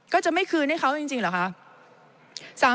ก็จะไม่คืนให้เขาจริงเหรอคะ